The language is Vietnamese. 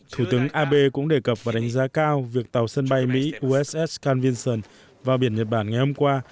thủ tướng abe cũng đề cập và đánh giá cao việc tàu sân bay mỹ uss canvinson vào biển nhật bản ngày hôm qua